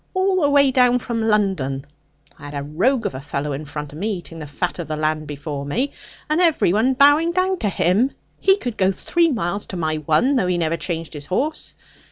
All the way down from London, I had a rogue of a fellow in front of me, eating the fat of the land before me, and every one bowing down to him. He could go three miles to my one though he never changed his horse.